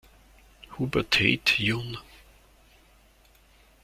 Hubert Heydt jun.